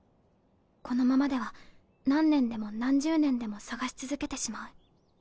このままでは何年でも何十年でも探し続けてしまう。